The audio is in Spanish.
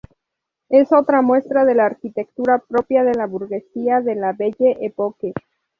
Es otra muestra de la arquitectura propia de la burguesía de la Belle Époque.